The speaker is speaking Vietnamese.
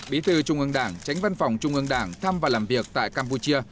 bí thư trung ương đảng tránh văn phòng trung ương đảng thăm và làm việc tại campuchia